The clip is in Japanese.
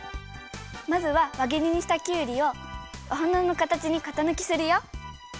まずはわぎりにしたきゅうりをおはなのかたちにかたぬきするよ！